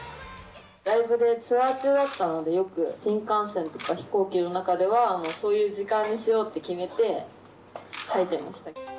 ライブでツアー中だったので、よく新幹線とか飛行機の中では、そういう時間にしようって決めて、書いてました。